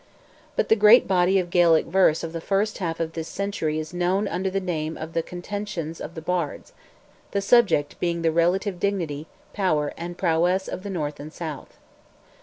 But the great body of Gaelic verse of the first half of this century is known under the name of "The Contentions of the Bards," the subject being the relative dignity, power, and prowess of the North and South.